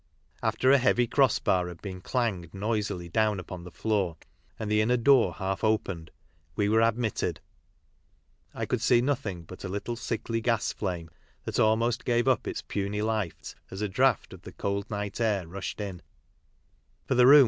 After a heavy'cross bar had been clanged noisily down upon j the floor, and the inner door half opened, we were j admitted. I could see nothing but a little sickly | gas flame, that almost gave up its puny life as a l draught of the cold night air rushed in, for the room